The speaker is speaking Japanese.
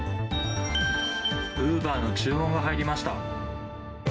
ウーバーの注文が入りました。